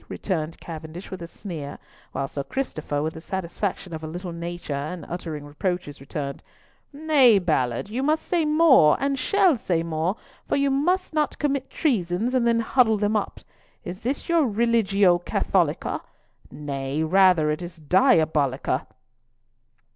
returned Cavendish with a sneer; while Sir Christopher, with the satisfaction of a little nature in uttering reproaches, returned—"Nay, Ballard, you must say more and shall say more, for you must not commit treasons and then huddle them up. Is this your Religio Catholica? Nay, rather it is Diabolica."